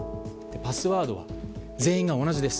パスワードは全員が同じです。